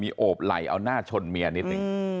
โอบไหล่เอาหน้าชนเมียนิดนึง